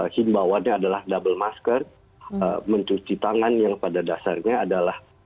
himbawannya adalah double masker mencuci tangan yang pada dasarnya adalah